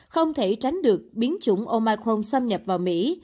không thể tránh được biến chủng omicron xâm nhập vào mỹ